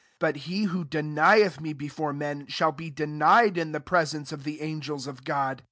9 But he who denieth me before men, shall be denied in the presence of the angels of God.